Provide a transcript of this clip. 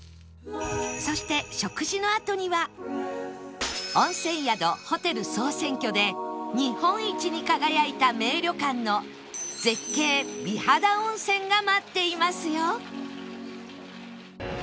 そして食事のあとには温泉宿・ホテル総選挙で日本一に輝いた名旅館の絶景美肌温泉が待っていますよ